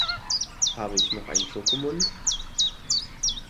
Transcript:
Habe ich noch einen Schokomund?